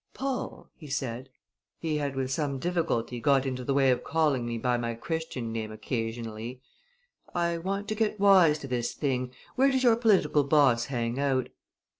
"Paul," he said he had, with some difficulty, got into the way of calling me by my Christian name occasionally "I want to get wise to this thing. Where does your political boss hang out?"